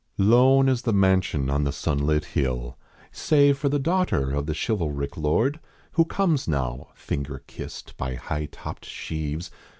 Lone is the mansion on the sunlit hill, Save for the daughter of the chivalric lord, Who comes now, finger kissed by high topped sheaves